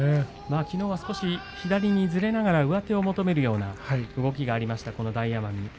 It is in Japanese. きのうは左にずれながら上手を求めるような動きがあった大奄美。